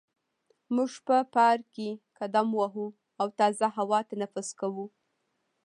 موږ په پارک کې قدم وهو او تازه هوا تنفس کوو.